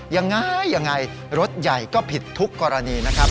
ยังไงยังไงรถใหญ่ก็ผิดทุกกรณีนะครับ